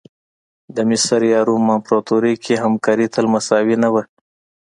د مصر یا روم امپراتوري کې همکاري تل مساوي نه وه.